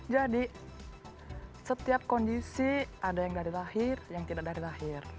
jadi setiap kondisi ada yang dari lahir yang tidak dari lahir